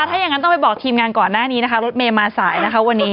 ถ้าอย่างนั้นต้องไปบอกทีมงานก่อนหน้านี้นะคะรถเมย์มาสายนะคะวันนี้